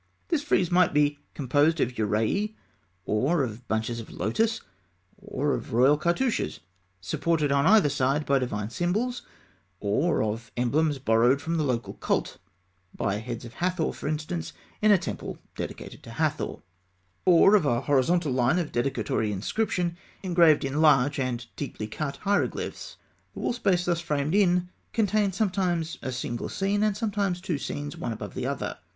This frieze might be composed of uraei, or of bunches of lotus; or of royal cartouches (fig. 106) supported on either side by divine symbols; or of emblems borrowed from the local cult (by heads of Hathor, for instance, in a temple dedicated to Hathor); or of a horizontal line of dedicatory inscription engraved in large and deeply cut hieroglyphs. The wall space thus framed in contained sometimes a single scene and sometimes two scenes, one above the other.